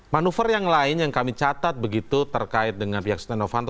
manuver yang lain yang kami catat begitu terkait dengan pihak stenovanto